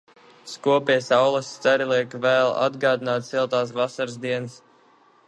Skopie saules stari liek vēl atgādināt siltās vasaras dienas.